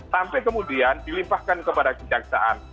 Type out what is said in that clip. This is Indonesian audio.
sampai kemudian dilimpahkan kepada kejaksaan